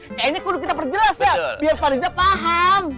kayaknya kudu kita perjelas ya biar pak riza paham